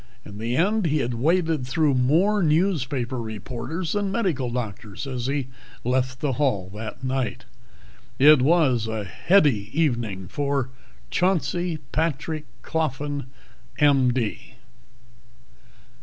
In the end he had waded through more newspaper reporters than medical doctors as he left the hall that night. It was a heady evening for Chauncey Patrick Coffin, M.D.